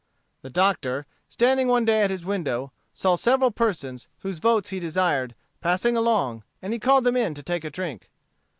The Doctor, standing one day at his window, saw several persons, whose votes he desired, passing along, and he called them in to take a drink.